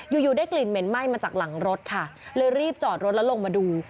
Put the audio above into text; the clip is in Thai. อยู่อยู่ได้กลิ่นเหม็นไหม้มาจากหลังรถค่ะเลยรีบจอดรถแล้วลงมาดู